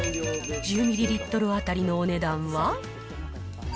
１０ミリリットル当たりのお値段は？